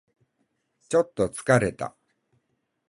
ちょっと疲れた